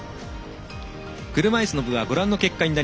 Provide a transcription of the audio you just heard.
車いすの部はご覧の結果です。